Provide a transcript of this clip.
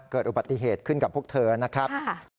เกิดอุบัติเหตุขึ้นกับพวกเธอนะครับ